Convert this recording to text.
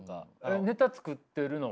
ネタ作ってるのは？